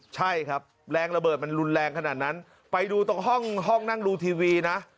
ใช่ครับแรงระเบิดมันรุนแรงขนาดนั้นไปดูตรงห้องห้องนั่งดูทีวีนะ